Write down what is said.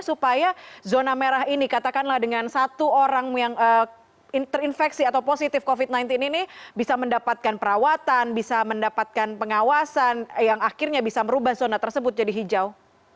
supaya zona merah ini katakanlah dengan satu orang yang terinfeksi atau positif covid sembilan belas ini bisa mendapatkan perawatan bisa mendapatkan pengawasan yang akhirnya bisa merubah zona tersebut jadi hijau